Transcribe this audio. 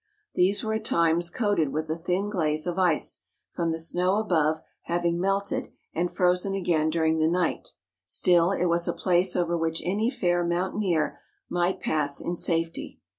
These were at times coated with a thin glaze of ice, from the snow above having melted and frozen again during the night, still it was a place over which any fair mountaineer might pass in safety.